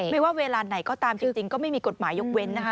ไม่ว่าเวลาไหนก็ตามจริงก็ไม่มีกฎหมายยกเว้นนะคะ